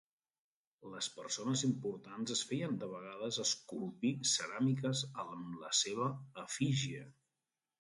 Les persones importants es feien de vegades esculpir ceràmiques amb la seva efígie.